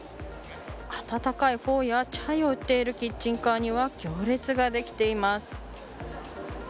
温かいフォーやチャイを売っているキッチンカーには行列ができています。